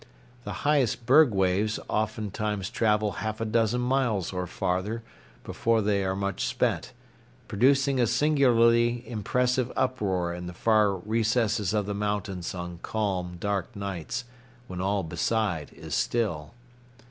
The highest berg waves oftentimes travel half a dozen miles or farther before they are much spent, producing a singularly impressive uproar in the far recesses of the mountains on calm dark nights when all beside is still.